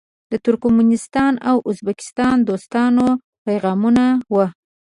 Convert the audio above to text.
د ترکمنستان او ازبکستان دوستانه پیغامونه وو.